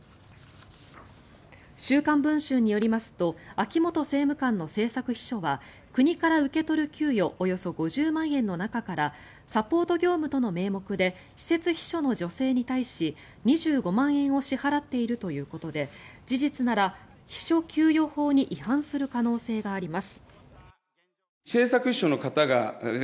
「週刊文春」によりますと秋本政務官の政策秘書は国から受け取る給与およそ５０万円の中からサポート業務との名目で私設秘書の女性に対し２５万円を支払っているということで事実なら秘書給与法に違反する可能性があります。